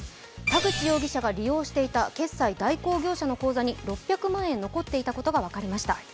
田口容疑者が利用していた決済代行業者の口座に６００万円残っていたことが分かりました。